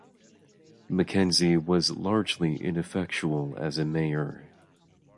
Mackenzie was largely ineffectual as a mayor.